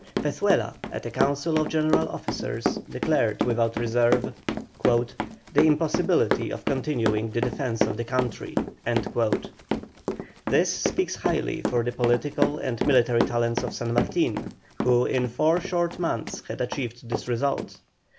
Pezuela, at a council of general officers, declared, without reserve, "the impossibility of continuing the defence of the country." This speaks highly for the political and military talents of San Martin, who in four short months had achieved this result.